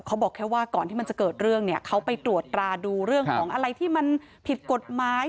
เขาบอกแค่ว่าก่อนที่มันจะเกิดเรื่องเนี่ยเขาไปตรวจราดูเรื่องของอะไรที่มันผิดกฎหมาย